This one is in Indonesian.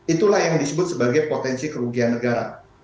itulah yang disebut sebagai potensi kerugian negara